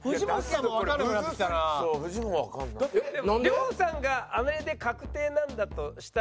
亮さんがあれで確定なんだとしたらですよ。